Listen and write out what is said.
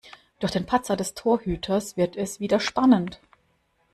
Durch den Patzer des Torhüters wird es wieder spannend.